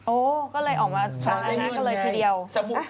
โอ้ก็เลยออกมาชาวอันนั้นก็เลยทีเดียว